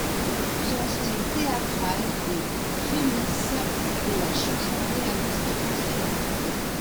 Son style théâtral est un prémisse de la chanson réaliste française.